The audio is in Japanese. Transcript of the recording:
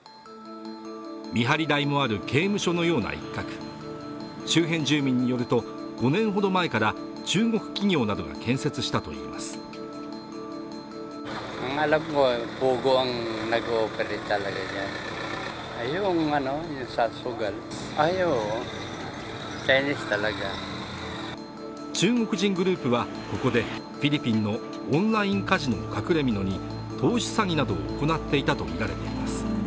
見張り台もある刑務所のような一角周辺住民によると５年ほど前から中国企業などが建設したといいます中国人グループはここでフィリピンのオンラインカジノを隠れみのに投資詐欺などを行っていたとみられています